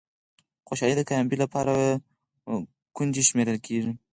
خوشالي د کامیابۍ لپاره کونجي شمېرل کېږي.